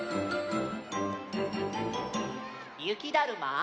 ゆきだるま？